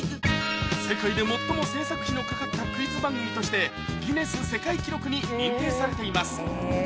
世界で最も制作費のかかったクイズ番組としてギネス世界記録に認定されています